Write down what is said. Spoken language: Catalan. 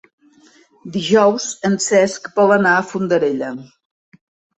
Dijous en Cesc vol anar a Fondarella.